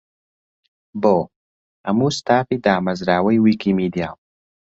بۆ: هەموو ستافی دامەزراوەی ویکیمیدیا.